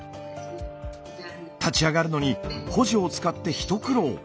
立ち上がるのに補助を使って一苦労。